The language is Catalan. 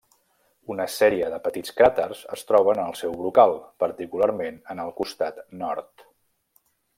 Una sèrie de petits cràters es troben el seu brocal, particularment en el costat nord.